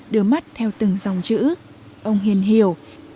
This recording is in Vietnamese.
đứa mắt theo từng dòng chữ ông hiền hiểu